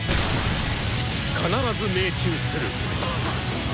必ず命中する。